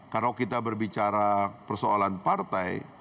kalau kita berbicara persoalan partai